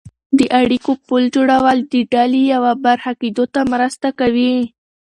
د اړیکو پل جوړول د ډلې یوه برخه کېدو ته مرسته کوي.